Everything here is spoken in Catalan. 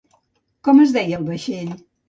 Com es deia el vaixell?